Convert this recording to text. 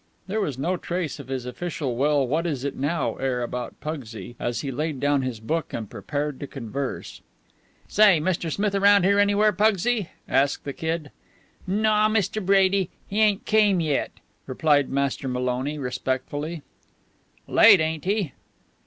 There was no trace of his official well what is it now? air about Pugsy as he laid down his book and prepared to converse. "Say, Mr. Smith around anywhere, Pugsy?" asked the Kid. "Naw, Mr. Brady. He ain't came yet," replied Master Maloney respectfully. "Late, ain't he?"